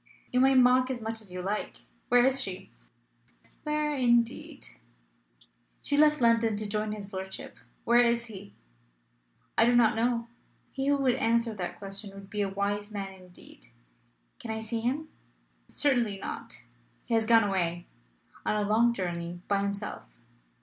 "You may mock as much as you like. Where is she?" "Where, indeed?" "She left London to join his lordship. Where is he? "I do not know. He who would answer that question would be a wise man indeed." "Can I see him?" "Certainly not. He has gone away. On a long journey. By himself."